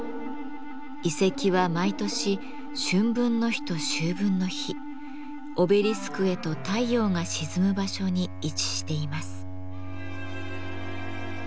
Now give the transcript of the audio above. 遺跡は毎年春分の日と秋分の日オベリスクへと太陽が沈む場所に位置しています。